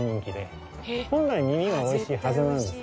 本来耳が美味しいはずなんです。